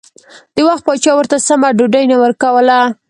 د وخت پاچا ورته سمه ډوډۍ نه ورکوله.